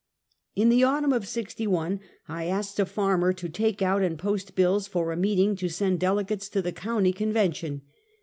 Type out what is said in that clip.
In the autumn of '61, I asked a farmer to take out and post bills for a meeting to send delegates to the coun ty convention.